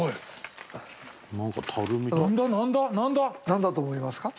なんだと思いますか？